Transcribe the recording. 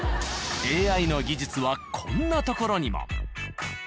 ＡＩの技術はこんなところにも。